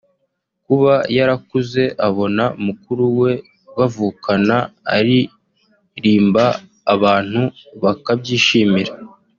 Kuba yarakuze abona mukuru we bavukana aririmba abantu bakabyishimira